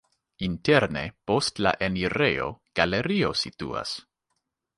Interne post la enirejo galerio situas.